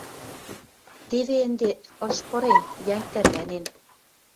Теве ӹнде ыш пырен, йӓнг тӓрвӓнен...